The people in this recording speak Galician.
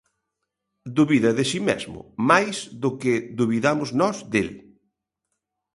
Dubida de si mesmo máis do que dubidamos nós del.